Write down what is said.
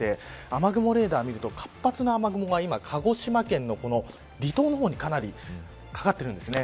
雨雲レーダーを見ると活発な雨雲が今、鹿児島県の離島にかかっているんです。